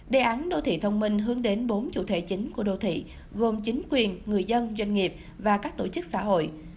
đề án đô thị thông minh hướng đến bốn chủ thể chính của đô thị gồm chính quyền người dân doanh nghiệp và các tổ chức xã hội